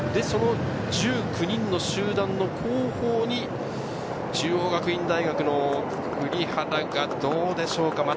その１９人の集団の後方に中央学院大学の栗原がどうでしょうか。